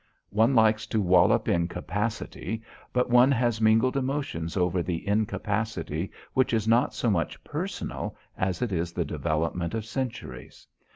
One likes to wallop incapacity, but one has mingled emotions over the incapacity which is not so much personal as it is the development of centuries.